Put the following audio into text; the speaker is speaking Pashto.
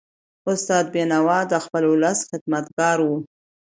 استاد بینوا د خپل ولس خدمتګار و.